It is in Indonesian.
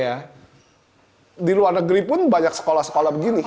dan di luar negeri pun banyak sekolah sekolah begini